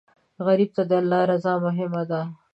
غریب ته د الله رضا مهمه ده